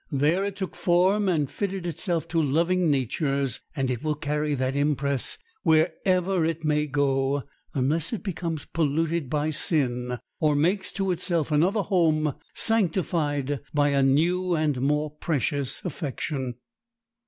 There it took form and fitted itself to loving natures; and it will carry that impress wherever it may go, unless it becomes polluted by sin or makes to itself another home sanctified by a new and more precious affection.